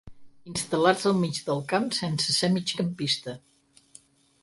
Instal·lar-se al mig del camp sense ser migcampista.